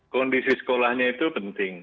kondisi sekolahnya itu penting